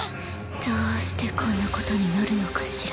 どうしてこんなことになるのかしら？